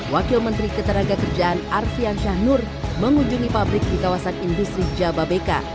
wakil menteri ketenagakerjaan arfian syahnur mengunjungi pabrik di kawasan industri jababeka